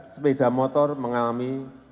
sepeda motor mengalami